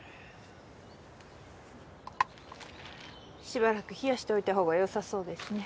しばらく冷やしておいたほうがよさそうですね。